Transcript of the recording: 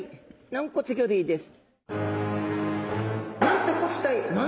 軟骨魚類です。